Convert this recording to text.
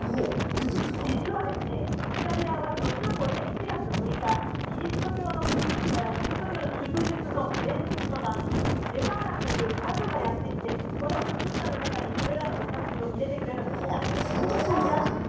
実はですね、イタリアは年を越えた１月６日、キリスト教の祝日の前日の晩に、ベファーナという魔女がやって来て、この靴下の中にこれらのお菓魔女なんだ？